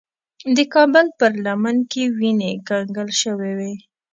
د کابل پر لمن کې وینې کنګل شوې وې.